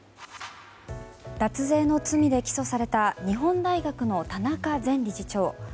脱税の罪で起訴された日本大学の田中前理事長。